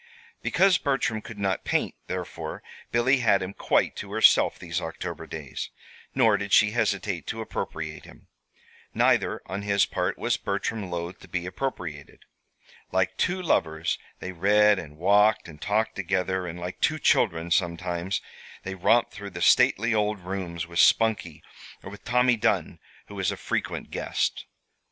Because Bertram could not paint, therefore, Billy had him quite to herself these October days; nor did she hesitate to appropriate him. Neither, on his part, was Bertram loath to be appropriated. Like two lovers they read and walked and talked together, and like two children, sometimes, they romped through the stately old rooms with Spunkie, or with Tommy Dunn, who was a frequent guest.